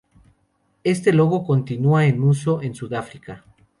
Este logo continúa en uso en Sudáfrica.